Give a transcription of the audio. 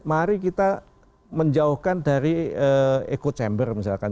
mari kita menjauhkan dari echo chamber misalkan